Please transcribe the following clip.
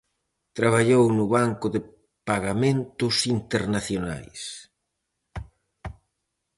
Traballou no Banco de Pagamentos Internacionais.